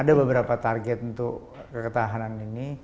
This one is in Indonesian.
ada beberapa target untuk keketahanan ini